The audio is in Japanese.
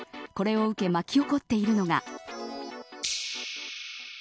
これを受け巻き起こっているのが。